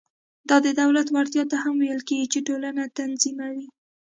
دا د دولت وړتیا ته هم ویل کېږي چې ټولنه تنظیموي.